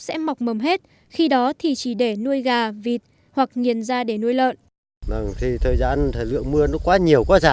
sẽ mọc mầm hết khi đó thì chỉ để nuôi gà vịt hoặc nghiền ra để nuôi lợn